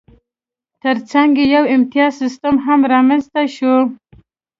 ترڅنګ یې یو امتیازي سیستم هم رامنځته شو